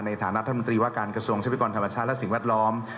ในฐานะรัฐมนตรีว่าการกระทรวงทรัพยากรธรรมชาติและสิ่งแวดล้อม